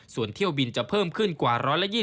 ส่วนเที่ยวบินจะเพิ่มขึ้นกว่า๑๒๐